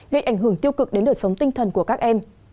gây ảnh hưởng tiêu cực đến đời sống tinh thần của các em